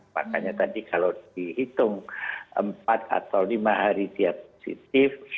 makanya tadi kalau dihitung empat atau lima hari dia positif